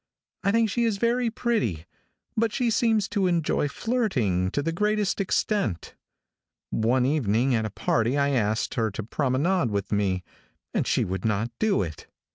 I think she is very pretty, but she seems to enjoy flirting to the greatest extent. One evening at a party I asked her to promenade with me, and she would not do it.